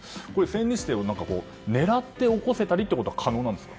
千日手は狙って起こせたりということは可能なんですか？